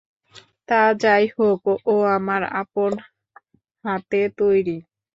তা যাই হোক, ও আমার আপন হাতে তৈরী।